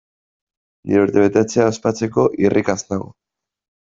Nire urtebetetzea ospatzeko irrikaz nago!